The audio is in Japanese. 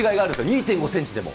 ２．５センチでも。